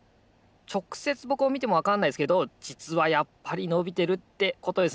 ちょくせつぼくをみてもわかんないですけどじつはやっぱりのびてるってことですねいやよかった！